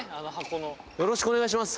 よろしくお願いします。